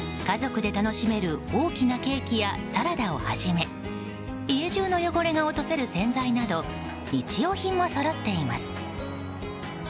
家族で楽しめる大きなケーキやサラダをはじめ家中の汚れが落とせる洗剤など日用品もそろっています。